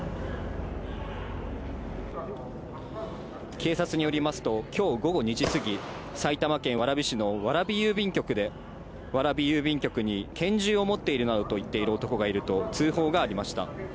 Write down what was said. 警察によりますと、きょう午後２時過ぎ、埼玉県蕨市の蕨郵便局で、蕨郵便局に拳銃を持っているなどと言っている男がいると通報がありました。